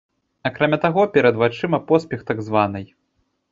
Акрамя таго, перад вачыма поспех так званай.